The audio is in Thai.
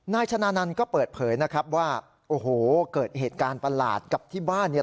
นายชนะนันต์ก็เปิดเผยนะครับว่าโอ้โหเกิดเหตุการณ์ประหลาดกับที่บ้านเนี่ย